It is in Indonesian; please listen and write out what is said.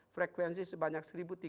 frekuensi sebanyak seribu tiga ratus sepuluh